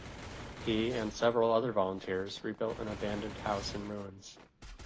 He and several other volunteers rebuilt an abandoned house in ruins.